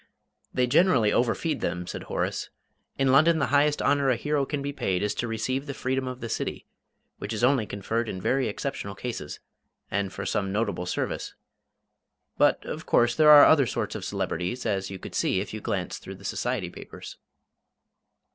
"They generally overfeed them," said Horace. "In London the highest honour a hero can be paid is to receive the freedom of the City, which is only conferred in very exceptional cases, and for some notable service. But, of course, there are other sorts of celebrities, as you could see if you glanced through the society papers."